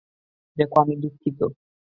দেখো, আমি দুঃখিত।